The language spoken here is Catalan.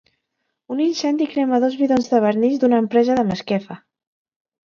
Un incendi crema dos bidons de vernís d'una empresa de Masquefa.